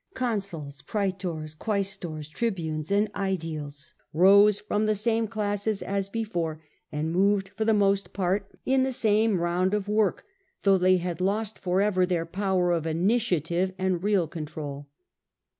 Consuls, Pnetors, Quaestors, Tribunes, and iEldiles rose from the same classes as before, and moved for the most part in — A.D. 14 Augustus. 15 the same round of work, though they had lv>st for ever their power of initiative and real control.